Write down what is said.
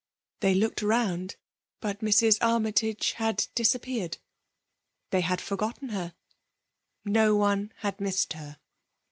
They looked round, but Mrs. Armytage had disappeared. They had for^ gotten her. No one had missed her.